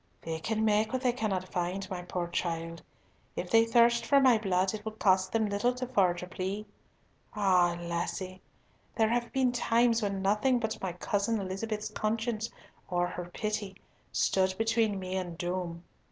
"They can make what they cannot find, my poor child. If they thirst for my blood, it will cost them little to forge a plea. Ah, lassie! there have been times when nothing but my cousin Elizabeth's conscience, or her pity, stood between me and doom.